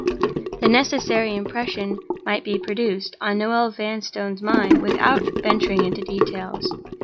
The necessary impression might be produced on Noel Vanstone's mind without venturing into details.